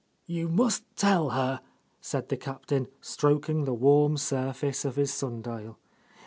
"You must tell her," said the Captain, strok ing the warm surface of his sun dial.